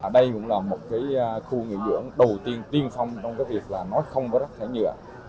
đây cũng là một cái khu nghỉ dưỡng đầu tiên tiên phong trong cái việc là nói không rác thải nhựa